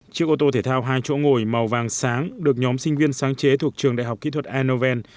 chiếc ô tô thể thao hai chỗ ngồi màu vàng sáng được nhóm sinh viên sáng chế thuộc trường đại học kỹ thuật ainoven